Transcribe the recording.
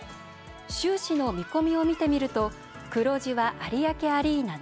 収支の見込みを見てみると黒字は有明アリーナのみ。